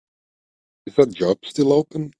Is that job still open?